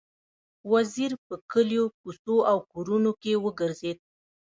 وزیر په کلیو، کوڅو او کورونو کې وګرځېد.